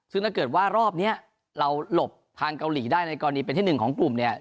ซึ่งถ้าเกิดว่ารอบนี้เราหลบทางเกาหลีได้ในกรณีเป็นที่หนึ่งของกลุ่มเนี่ย